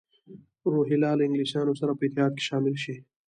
روهیله له انګلیسیانو سره په اتحاد کې شامل شي.